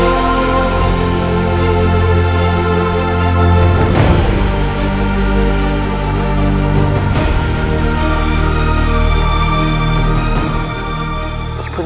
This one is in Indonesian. boleh sampai kembali